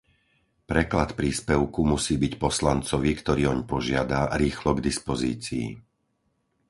Preklad príspevku musí byť poslancovi, ktorý oň požiada, rýchlo k dispozícii.